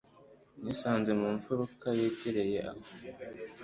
Nisanze mu mfuruka yegereye aho